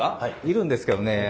いるんですけどね